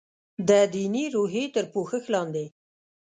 د دیني روحیې تر پوښښ لاندې.